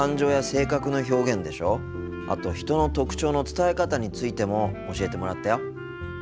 あと人の特徴の伝え方についても教えてもらったよ。